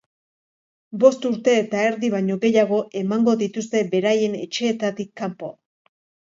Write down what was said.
Bost urte eta erdi baino gehiago emango dituzte beraien etxeetatik kanpo.